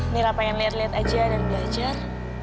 mira pengen liat liat aja dan belajar